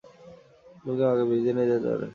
তুমি কি আমাকে ব্রিজে নিয়ে যেতে পারবে?